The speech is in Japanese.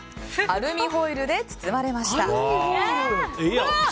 アルミホイルで包まれました。